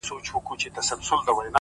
• خود به يې اغزی پرهر ـ پرهر جوړ کړي ـ